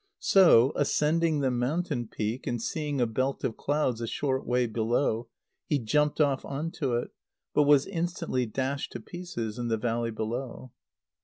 So, ascending the mountain peak, and seeing a belt of clouds a short way below, he jumped off on to it, but was instantly dashed to pieces in the valley below.